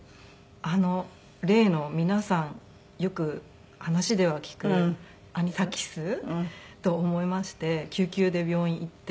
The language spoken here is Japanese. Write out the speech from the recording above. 例の皆さんよく話では聞くアニサキスと思いまして救急で病院行って。